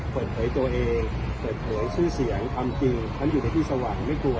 เปิดเผยตัวเองเปิดเผยชื่อเสียงความจริงฉันอยู่ในที่สว่างไม่กลัว